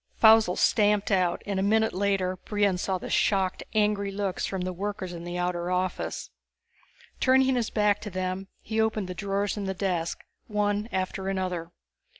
Faussel stamped out, and a minute later Brion saw the shocked, angry looks from the workers in the outer office. Turning his back to them, he opened the drawers in the desk, one after another.